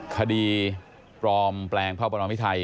คดีปลอมแปลงพระประมาพิธัย